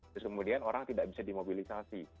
terus kemudian orang tidak bisa dimobilisasi